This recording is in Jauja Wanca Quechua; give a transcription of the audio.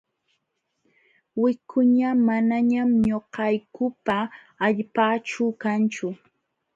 Wikuña manañam ñuqaykupa allpaaćhu kanchu.